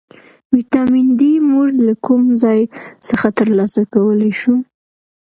ویټامین ډي موږ له کوم ځای څخه ترلاسه کولی شو